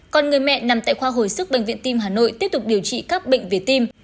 còn người mẹ nằm tại khoa hồi sức bệnh viện tim hà nội tiếp tục điều trị các bệnh về tim